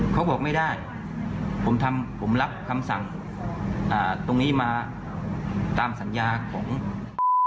เขาบอกไม่ได้ผมรับคำสั่งตรงนี้มาตามสัญญาของ๖๘๐๐๐บาท